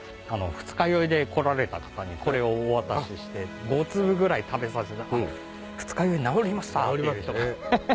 二日酔いで来られた方にこれをお渡しして５粒ぐらい食べさせると「二日酔い治りました」っていう人がいました。